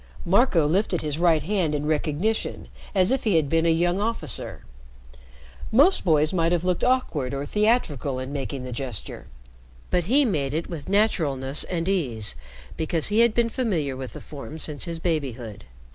Marco lifted his right hand in recognition, as if he had been a young officer. Most boys might have looked awkward or theatrical in making the gesture, but he made it with naturalness and ease, because he had been familiar with the form since his babyhood.